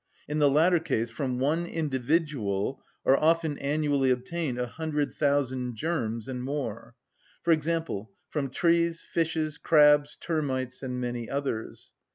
In the latter case from one individual are often annually obtained a hundred thousand germs, and more; for example, from trees, fishes, crabs, termites, and many others.